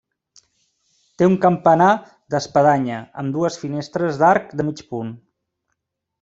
Té un campanar d'espadanya amb dues finestres d'arc de mig punt.